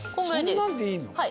そんなんでいいの？